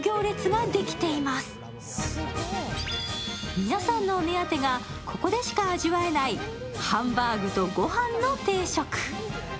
皆さんのお目当てがここでしか味わえないハンバーグとごはんの定食。